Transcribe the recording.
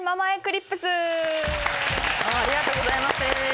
ありがとうございます。